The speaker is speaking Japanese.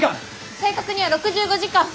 正確には６５時間！